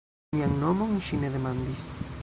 Mian nomon ŝi ne demandis.